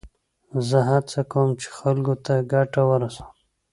زه هڅه کوم، چي خلکو ته ګټه ورسوم.